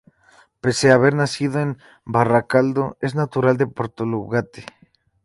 Pese a haber nacido en Baracaldo, es natural de Portugalete.